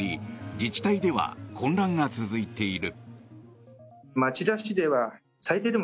自治体では混乱が続いている。